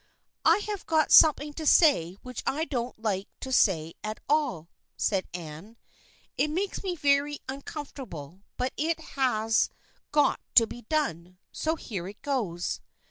" I have got something to say which I don't like to say at all," said Anne. " It makes me very un comfortable, but it has got to be done, so here goes.